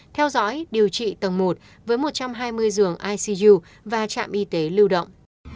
theo dõi điều trị tầng một với một trăm hai mươi giường icu và trạm y tế lưu động